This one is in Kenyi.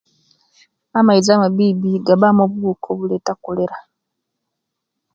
Amaizi amabibi gabamu obubuka obuleta kolera